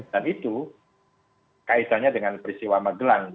dan itu kayaknya dengan peristiwa magelang gitu